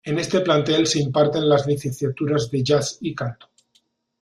En este plantel se imparten las licenciaturas de Jazz y canto.